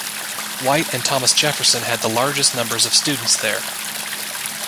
White and Thomas Jefferson had the largest numbers of students there.